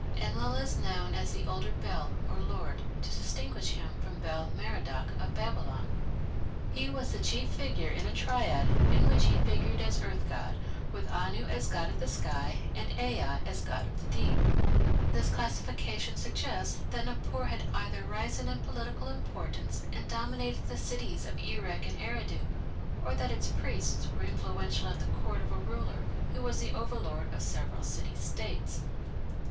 Enlil is known as the "older Bel" (lord), to distinguish him from Bel Merodach of Babylon. He was the chief figure in a triad in which he figured as earth god, with Anu as god of the sky and Ea as god of the deep. This classification suggests that Nippur had either risen in political importance and dominated the cities of Erech and Eridu, or that its priests were influential at the court of a ruler who was the overlord of several city states.